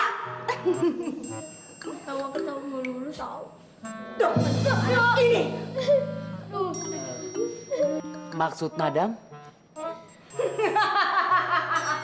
tau apa tau mau lulus